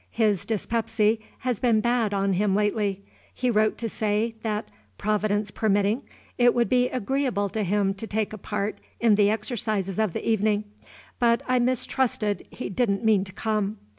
"His dyspepsy has been bad on him lately. He wrote to say, that, Providence permittin', it would be agreeable to him to take a part in the exercises of the evenin'; but I mistrusted he did n't mean to come.